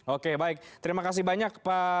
oke baik terima kasih banyak pak